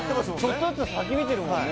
ちょっとずつ先見てるもんね